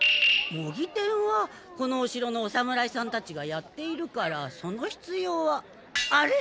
もぎ店はこのお城のおさむらいさんたちがやっているからその必要はあれ？